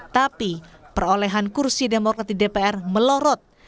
tapi perolehan kursi demokrat di dpr melorot